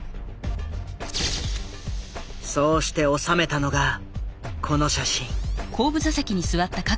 そうして収めたのがこの写真。